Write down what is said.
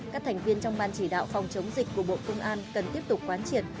các thành viên trong ban chỉ đạo phòng chống dịch của bộ công an cần tiếp tục quán triệt